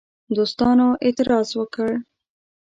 دوستانو اعتراض وکړ.